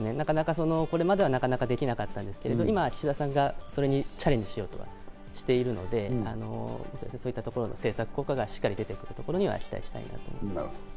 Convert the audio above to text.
これまでは、なかなかできなかったんですけど岸田さんがそれに今チャレンジしようとしているので、そういったところの政策効果がしっかり出てくるところに期待したいと思います。